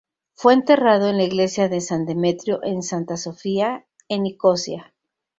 Fue enterrado en la iglesia de San Demetrio en Santa Sofía, en Nicosia.